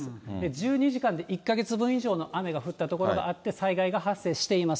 １２時間で１か月分の雨が降った所があって、災害が発生しています。